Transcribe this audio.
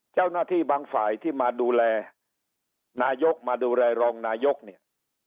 เจ้าหน้าที่บางฝ่ายที่มาดูแลนายกมาดูแลรองนายกเนี่ย